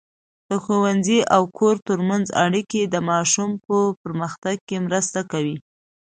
د ښوونځي او کور ترمنځ اړیکه د ماشوم په پرمختګ کې مرسته کوي.